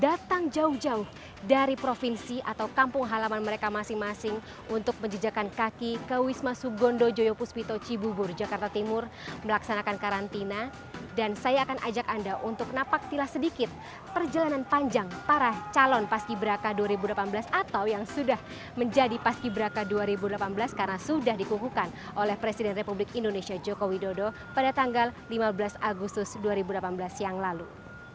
datang jauh jauh dari provinsi atau kampung halaman mereka masing masing untuk menjejakan kaki ke wisma sugondo joyo puspito cibubur jakarta timur melaksanakan karantina dan saya akan ajak anda untuk napaktilah sedikit perjalanan panjang para calon paskiberaka dua ribu delapan belas atau yang sudah menjadi paskiberaka dua ribu delapan belas karena sudah dikukuhkan oleh presiden republik indonesia joko widodo pada tanggal lima belas agustus dua ribu delapan belas yang lalu